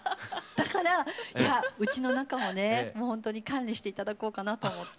だからうちの中もねもうほんとに管理して頂こうかなと思って。